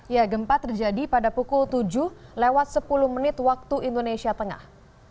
ya gempa terjadi pada pukul tujuh lewat sepuluh menit waktu indonesia tengah